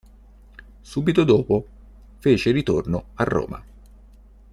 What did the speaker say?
Subito dopo fece ritorno a Roma.